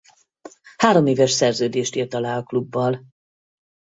Hároméves szerződést írt alá a klubbal.